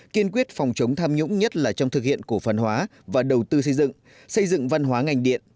kiên quyết phòng chống tham nhũng nhất là trong thực hiện cổ phần hóa và đầu tư xây dựng xây dựng văn hóa ngành điện